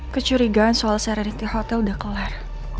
kecurigaan soal serenity hotel udah kelar